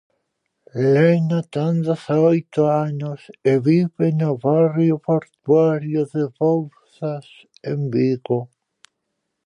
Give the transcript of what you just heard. Lena ten dezaoito anos e vive no barrio portuario de Bouzas, en Vigo.